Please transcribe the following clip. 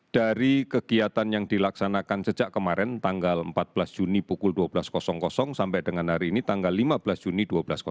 dari kegiatan yang dilaksanakan sejak kemarin tanggal empat belas juni pukul dua belas sampai dengan hari ini tanggal lima belas juni dua belas